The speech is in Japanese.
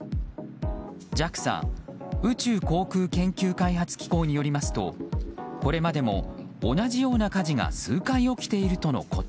ＪＡＸＡ・宇宙航空研究開発機構によりますとこれまでも同じような火事が数回起きているとのこと。